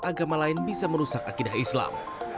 agama lain bisa merusak akidah islam